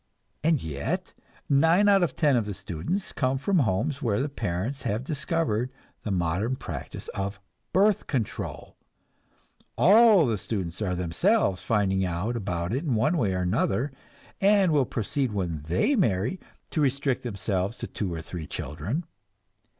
And yet, nine out of ten of the students come from homes where the parents have discovered the modern practice of birth control; all the students are themselves finding out about it in one way or another, and will proceed when they marry to restrict themselves to two or three children.